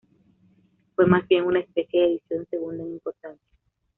Fue más bien una especie de edición segunda en importancia.